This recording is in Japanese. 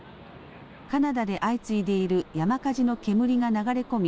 カナダで相次いでいる山火事の煙が流れ込み